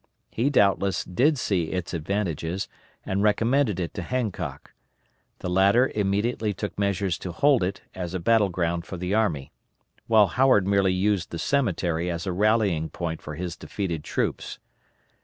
He, doubtless, did see its advantages, and recommended it to Hancock. The latter immediately took measures to hold it as a battle ground for the army, while Howard merely used the cemetery as a rallying point for his defeated troops.